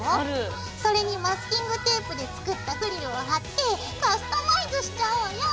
それにマスキングテープで作ったフリルを貼ってカスタマイズしちゃおうよ！